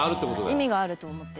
意味があると思って。